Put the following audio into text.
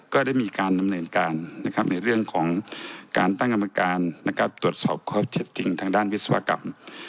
ก็ได้มีการดำเนินการในเรื่องของการตั้งกรรมการตรวจสอบข้อเท็จจริงทางด้านวิศวกรรม